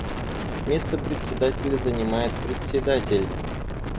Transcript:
Место Председателя занимает Председатель.